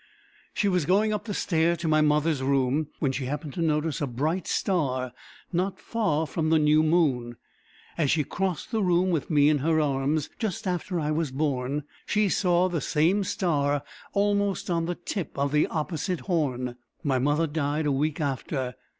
She was going up the stair to my mother's room, when she happened to notice a bright star, not far from the new moon. As she crossed the room with me in her arms, just after I was born, she saw the same star almost on the tip of the opposite horn. My mother died a week after.